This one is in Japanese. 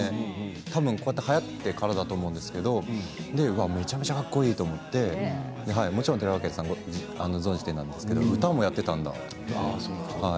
多分、はやってからだと思うんですけどめちゃめちゃかっこいいと思ってもちろん寺尾聰さん存じていたんですけど歌もやっていたんですね。